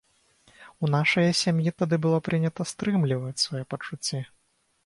У нашай сям'і тады было прынята стрымліваць свае пачуцці.